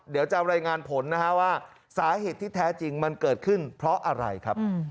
เดี๋ยวจะรายงานผลนะฮะว่าสาเหตุที่แท้จริงมันเกิดขึ้นเพราะอะไรครับ